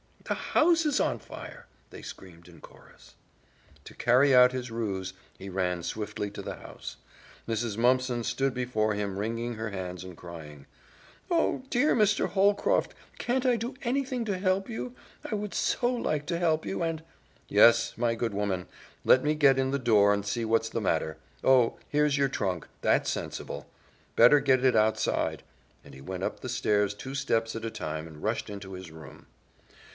"The house is on fire!" they screamed in chorus. To carry out his ruse, he ran swiftly to the house. Mrs. Mumpson stood before him wringing her hands and crying, "Oh, dear Mr. Holcroft, can't I do anything to help you? I would so like to help you and " "Yes, my good woman, let me get in the door and see what's the matter. Oh, here's your trunk. That's sensible. Better get it outside," and he went up the stairs two steps at a time and rushed into his room.